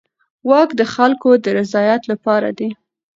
واک د خلکو د رضایت لپاره دی.